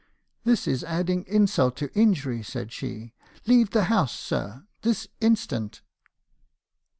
"'This is adding insult to injury,' said she. 'Leave the house, sir, this instant